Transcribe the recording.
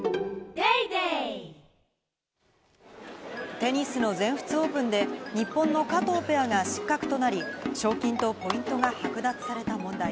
テニスの全仏オープンで日本の加藤ペアが失格となり、賞金とポイントがはく奪された問題。